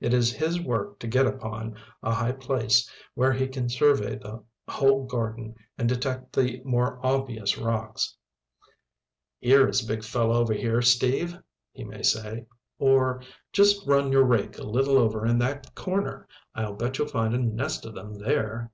It is his work to get upon a high place where he can survey the whole garden and detect the more obvious rocks. "Here is a big fella over here, Steve," he may say. Or: "Just run your rake a little over in that corner. I'll bet you'll find a nest of them there."